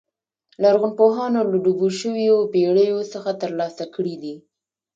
لرغونپوهانو له ډوبو شویو بېړیو څخه ترلاسه کړي دي